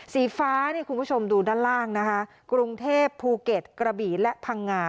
สีฟ้าเนี่ยคุณผู้ชมดูด้านล่างนะคะกรุงเทพภูเก็ตกระบี่และพังงา